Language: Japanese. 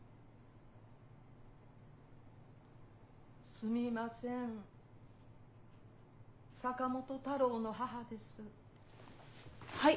・すみません・・坂本太郎の母です・はい。